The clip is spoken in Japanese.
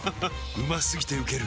うま過ぎてウケる